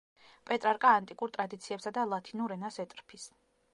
პეტრარკა ანტიკურ ტრადიციებსა და ლათინურ ენას ეტრფის.